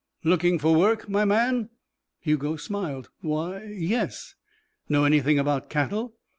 "Looking for work, my man?" Hugo smiled. "Why yes." "Know anything about cattle?"